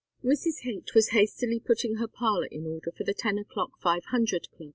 XXVII Mrs. Haight was hastily putting her parlor in order for the "Ten o'Clock Five Hundred Club."